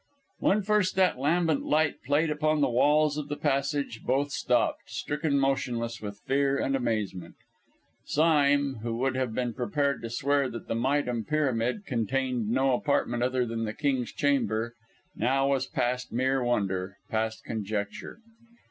When first that lambent light played upon the walls of the passage both stopped, stricken motionless with fear and amazement. Sime, who would have been prepared to swear that the Méydûm Pyramid contained no apartment other than the King's Chamber, now was past mere wonder, past conjecture.